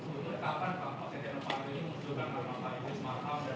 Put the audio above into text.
sebetulnya kapan pak jendela panto ini menunjukkan kepada pak idris marta